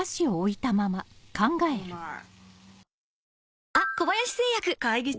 うまい。